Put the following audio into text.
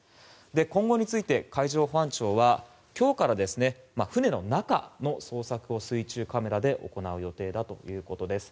今後について海上保安庁は今日から船の中の捜索を水中カメラで行う予定だということです。